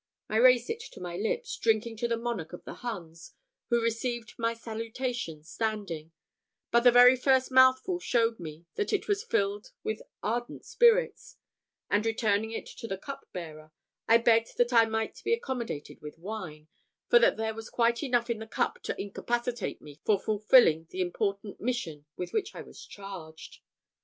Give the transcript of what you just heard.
I raised it to my lips, drinking to the monarch of the Huns, who received my salutation standing; but the very first mouthful showed me that it was filled with ardent spirits; and returning it to the cup bearer, I begged that I might be accommodated with wine, for that there was quite enough in the cup to incapacitate me for fulfilling the important mission with which I was charged.